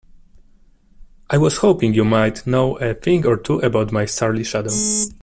I was hoping you might know a thing or two about my surly shadow?